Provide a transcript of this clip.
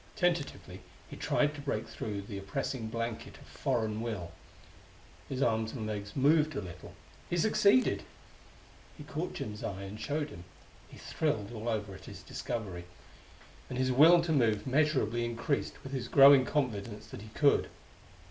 Tentatively he tried to break through the oppressing blanket of foreign will; his arms and legs moved a little; he succeeded! He caught Jim's eye and showed him. He thrilled all over at his discovery, and his will to move measurably increased with his growing confidence that he could.